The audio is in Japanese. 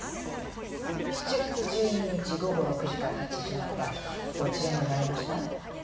７月１２日午後６時から８時の間どちらにおられました？